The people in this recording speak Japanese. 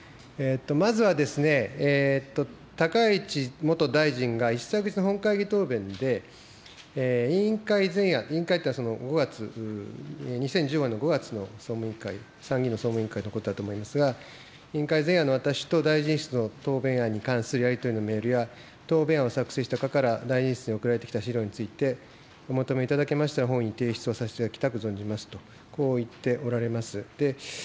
まずは、高市元大臣が一昨日の本会議答弁で、委員会前夜、委員会というのは、５月、２０１５年の５月の総務委員会、参議院の総務委員会のことだと思いますが、委員会前夜の私と大臣室の答弁案に関するやり取りのメールや、答弁案を作成した方から大臣室に送られてきた資料について、お求めいただきました本院提出をさせていただきたく存じますと、こう言っておられます。